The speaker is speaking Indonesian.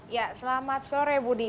ya selamat sore budi